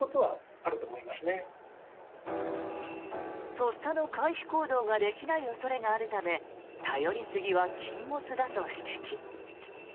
とっさの回避行動ができない恐れがあるため頼りすぎは禁物だと指摘。